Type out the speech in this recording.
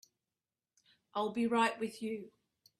I'll be right with you.